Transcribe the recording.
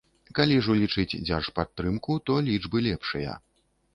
Калі ж улічыць дзяржпадтрымку, то лічбы лепшыя.